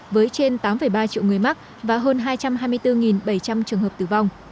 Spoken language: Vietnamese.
với trên tám ba triệu người mắc và hơn hai trăm hai mươi bốn bảy trăm linh trường hợp tử vong